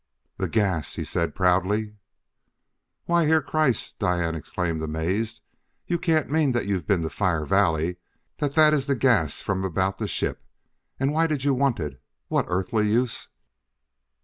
"The gas!" he said proudly. "Why, Herr Kreiss," Diane exclaimed, amazed, "you can't mean that you've been to Fire Valley; that that is the gas from about the ship!... And why did you want it? What earthly use...."